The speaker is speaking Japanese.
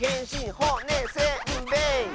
「ほ・ね・せ・ん・べい！」